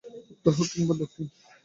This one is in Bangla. উত্তর হোক কিংবা দক্ষিণ।